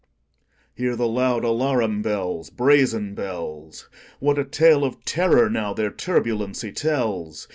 Hear the loud alarum bells, Brazen bells! What a tale of terror, now, their turbulency tells!